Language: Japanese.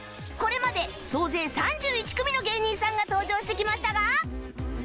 これまで総勢３１組の芸人さんが登場してきましたが